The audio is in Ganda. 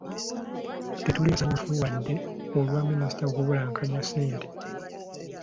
Tetuli basanyufu wadde olwa minisita okubulankanya ssente .